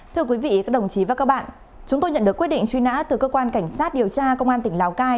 thưa quý vị các đồng chí và các bạn chúng tôi nhận được quyết định truy nã từ cơ quan cảnh sát điều tra công an tỉnh lào cai